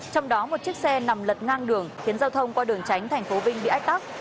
trong đó một chiếc xe nằm lật ngang đường khiến giao thông qua đường tránh thành phố vinh bị ách tắc